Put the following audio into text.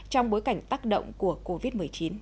trong bối cảnh tác động của covid một mươi chín